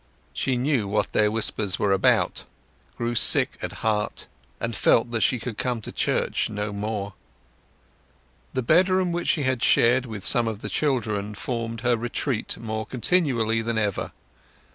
She knew what their whispers were about, grew sick at heart, and felt that she could come to church no more. The bedroom which she shared with some of the children formed her retreat more continually than ever.